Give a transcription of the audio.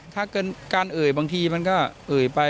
ถ้าเกินการเอ่ยบางทีมันก็เอ่ยไป